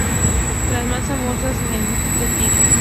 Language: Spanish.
La más famosa es el mosquito tigre.